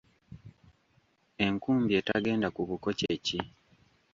Enkumbi etagenda ku buko kye ki?